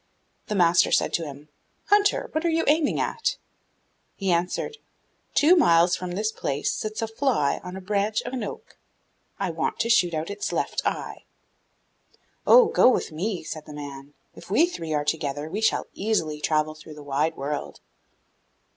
The master said to him, 'Hunter, what are you aiming at?' He answered, 'Two miles from this place sits a fly on a branch of an oak; I want to shoot out its left eye.' 'Oh, go with me,' said the man; 'if we three are together we shall easily travel through the wide world.